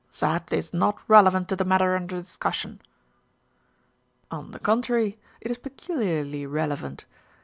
"That is not relevant to the matter under discus sion." "On the contrary, it is peculiarly relevant.